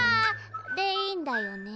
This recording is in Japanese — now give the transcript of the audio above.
でいいんだよね？